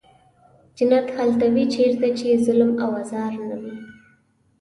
جنت هلته وي چېرته چې ظلم او آزار نه وي.